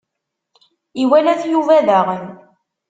Iwala-t Yuba, daɣen.